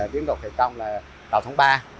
điểm đầu thi công là giao thông ba